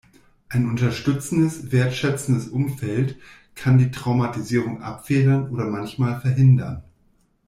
Ein unterstützendes, wertschätzendes Umfeld kann die Traumatisierung abfedern oder manchmal verhindern.